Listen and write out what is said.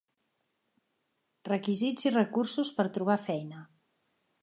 Requisits i recursos per trobar feina.